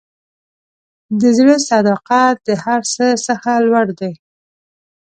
د زړه صداقت د هر څه څخه لوړ دی.